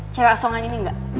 cewek asongan ini enggak